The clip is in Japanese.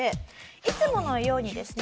いつものようにですね